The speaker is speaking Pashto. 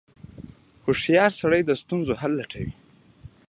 • هوښیار سړی د ستونزو حل لټوي.